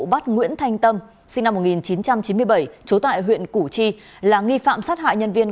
bắt nguyễn thanh tâm sinh năm một nghìn chín trăm chín mươi bảy trú tại huyện củ chi là nghi phạm sát hại nhân viên